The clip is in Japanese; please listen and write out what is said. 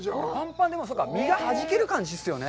実がはじける感じですよね。